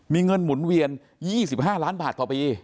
มีเงินหมุนเวียน๒๕ล้านบาทต่อปี